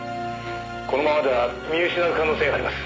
「このままでは見失う可能性があります」